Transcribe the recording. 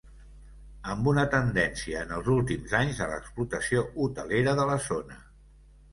Amb una tendència en els últims anys a l'explotació hotelera de la zona.